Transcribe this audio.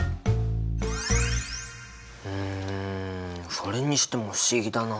うんそれにしても不思議だな。